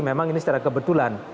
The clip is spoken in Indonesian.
memang ini secara kebetulan